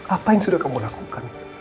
apa yang sudah kamu lakukan